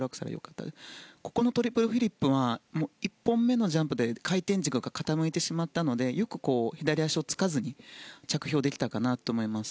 ここのトリプルフリップは１本目のジャンプで回転軸が傾いてしまったのでよく左足をつかずに着氷できたかなと思います。